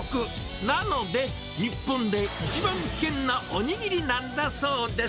なので、日本で一番危険なおにぎりなんだそうです。